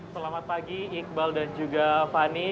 selamat pagi iqbal dan juga fani